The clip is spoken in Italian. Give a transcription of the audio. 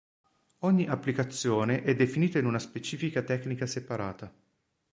Ogni "applicazione" è definita in una specifica tecnica separata.